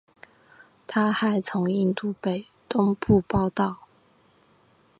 他还从印度东北部报道。